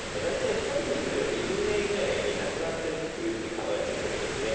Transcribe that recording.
２人に１人は２０年以内になくなっていると考えていることですね。